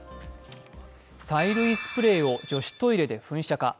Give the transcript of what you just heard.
催涙スプレーを女子トイレで噴射か。